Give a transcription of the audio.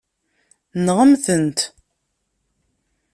Nɣem-tent.